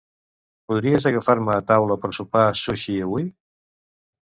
Podries agafar-me taula per sopar sushi avui?